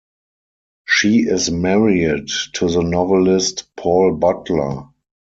She is married to the novelist Paul Butler.